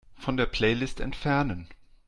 Von der Playlist entfernen.